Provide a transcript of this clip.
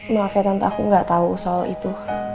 maaf ya tentu aku nggak tahu soal itu